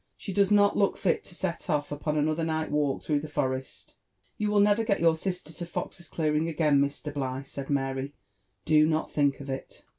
She does not look fit to set off upon another night walk through the forest." " You will never get your sister to Fox's clearing again , Mr. Bligh," said Mary, *' do not think of it.